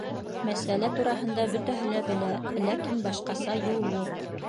Мәсьәлә тураһында бөтәһе лә белә, ләкин башҡаса юл юҡ.